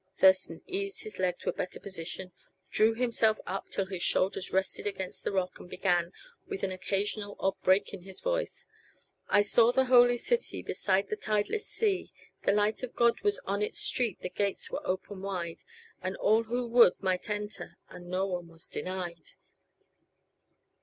Thurston eased his leg to a better position, drew himself up till his shoulders rested against the rock and began, with an occasional, odd break in his voice: "I saw the holy city Beside the tideless Sea; The light of God was on its street The gates were open wide. And all who would might enter And no one was denied."